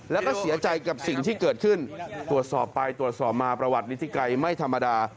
แล้วก็เสียใจกับสิ่งที่เกิดขึ้นตรวจสอบไปตรวจสอบมาประวัตินิธิไกรไม่ธรรมดา